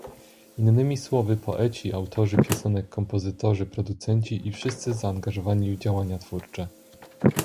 Innymi słowy, poeci, autorzy piosenek, kompozytorzy, producenci i wszyscy zaangażowani w działania twórcze